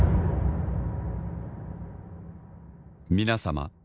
皆様